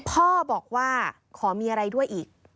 พ่อบอกว่าขอมีอะไรด้วยอีก